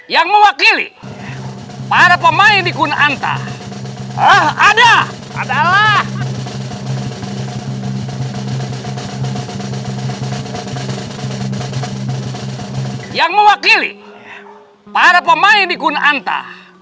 yang mewakili para pemain di kunanta